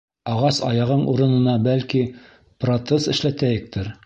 - Ағас аяғың урынына, бәлки, протез эшләтәйектер?